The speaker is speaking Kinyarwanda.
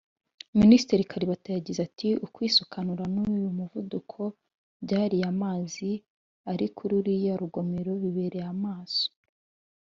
Minisitiri Kalibata yagize ati “Ukwisukanura n’umuvuduko by’ariya mazi ari kuri ruriya rugomero bibereye amaso